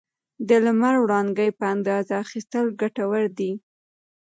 د لمر وړانګې په اندازه اخیستل ګټور دي.